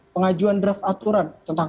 pengajuan draft aturan tentang